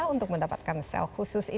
untuk mendapatkan sel khusus